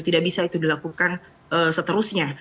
tidak bisa itu dilakukan seterusnya